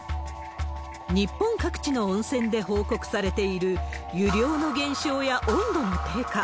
日本各地の温泉で報告されている、湯量の減少や温度の低下。